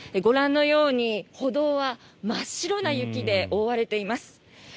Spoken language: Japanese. ご覧のように歩道は真っ白な雪で覆われています。